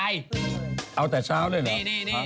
ไม่ได้เอาแต่เช้าเลยหรือ